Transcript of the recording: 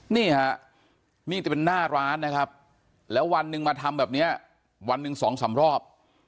นี่ฮะนี่จะเป็นหน้าร้านนะครับแล้ววันหนึ่งมาทำแบบนี้วันหนึ่งสองสามรอบ